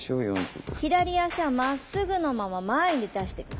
左足はまっすぐのまま前に出して下さい。